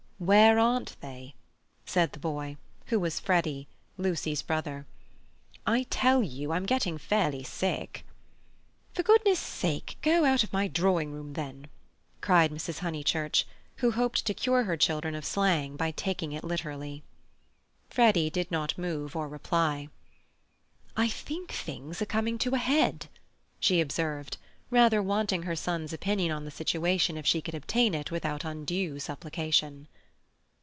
"Where aren't they?" said the boy, who was Freddy, Lucy's brother. "I tell you I'm getting fairly sick." "For goodness' sake go out of my drawing room, then?" cried Mrs. Honeychurch, who hoped to cure her children of slang by taking it literally. Freddy did not move or reply. "I think things are coming to a head," she observed, rather wanting her son's opinion on the situation if she could obtain it without undue supplication.